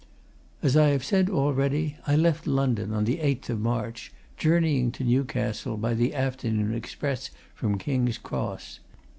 As I have said already, I left London on the 8th of March, journeying to Newcastle by the afternoon express from King's Cross.